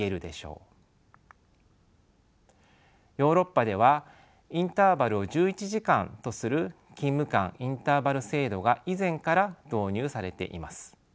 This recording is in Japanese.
ヨーロッパではインターバルを１１時間とする勤務間インターバル制度が以前から導入されています。